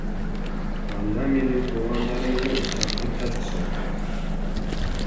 Анда менин туугандарым көп, чакырып жатышат.